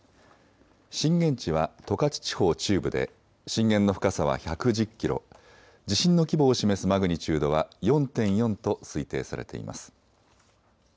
震源地は十勝地方中部で震源の深さは１１０キロ、地震の規模を示すマグニチュードは４．４と推定されています。